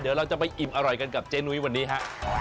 เดี๋ยวเราจะไปอิ่มอร่อยกันกับเจ๊นุ้ยวันนี้ฮะ